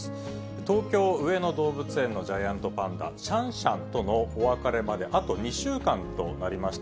東京・上野動物園のジャイアントパンダ、シャンシャンとのお別れまで、あと２週間となりました。